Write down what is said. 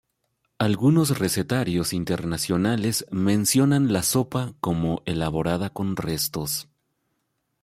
Algunos recetarios internacionales mencionan la sopa como elaborada con restos.